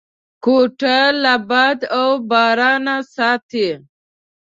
کوټه له باد و بارانه ساتي.